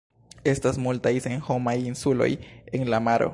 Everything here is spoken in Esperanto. Estas multaj senhomaj insuloj en la maro.